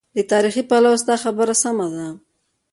له تاریخي پلوه ستا خبره سمه ده.